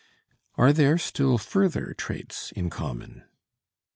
Are there still further traits in common?